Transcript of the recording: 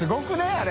あれ。